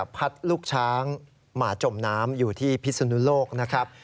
พัดลูกช้างมาจมน้ำอยู่ที่พิศนุโลกนะครับ